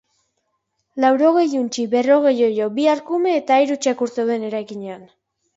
Laurogei untxi, berrogei oilo, bi arkume eta hiru txakur zeuden eraikinean.